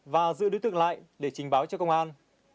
và giữ đối tượng lại để trình báo cho công an